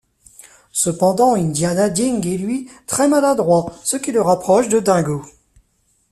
Cependant Indiana Ding est, lui, très maladroit, ce qui le rapproche de Dingo.